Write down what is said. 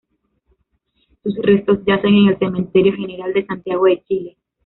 Sus restos yacen en el Cementerio General de Santiago de Chile.